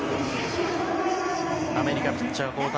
アメリカピッチャー交代。